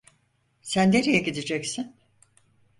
Sen nereye gideceksin?